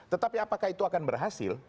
tetapi apakah itu akan berhasil